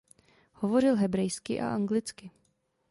Hovořil hebrejsky a anglicky.